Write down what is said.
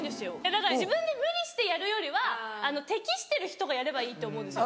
だから自分で無理してやるよりは適してる人がやればいいって思うんですよ。